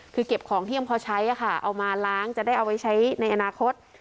คือเก็บของที่ยังพอใช้ค่ะเอามาล้างจะได้เอาไว้ใช้ในอนาคต